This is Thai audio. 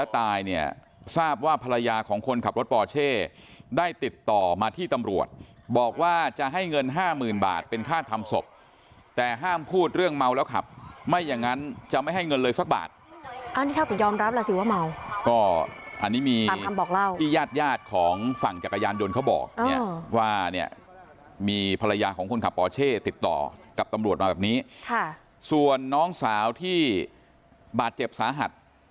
ทราบว่าภรรยาของคนขับรถปอร์เช่ได้ติดต่อมาที่ตำรวจบอกว่าจะให้เงินห้าหมื่นบาทเป็นค่าทำศพแต่ห้ามพูดเรื่องเมาแล้วขับไม่อย่างงั้นจะไม่ให้เงินเลยสักบาทอันนี้ถ้าผมยอมรับแล้วสิว่าเมาก็อันนี้มีที่ยาดยาดของฝั่งจักรยานโดนเขาบอกเนี่ยว่าเนี่ยมีภรรยาของคนขับปอร์เช่ติดต่อกับตำ